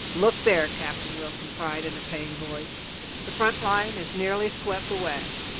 "Look there!" Captain Wilson cried in a pained voice. "The front line is nearly swept away!